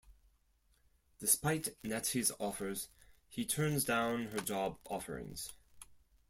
Despite Natty's offers, he turns down her job offerings.